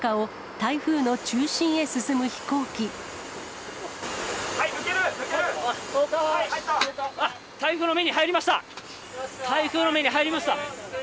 台風の目に入りました。